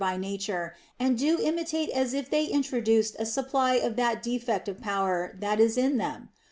by nature, and do intimate as if they introduced a supply of that defect of power that is in them.